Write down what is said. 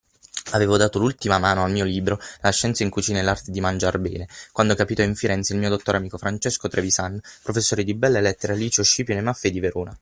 Avevo data l’ultima mano al mio libro La scienza in cucina e l’Arte di mangiar bene, quando capitò in Firenze il mio dotto amico Francesco Trevisan, professore di belle lettere al liceo Scipione Maffei di Verona.